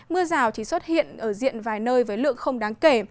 mưa rào chỉ xuất hiện ở diện vài nơi với lượng không đáng kể